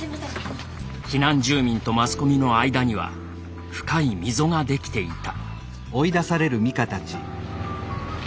避難住民とマスコミの間には深い溝が出来ていた。